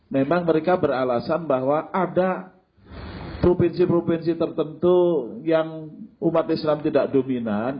memang mereka beralasan bahwa ada provinsi provinsi tertentu yang umat islam tidak dominan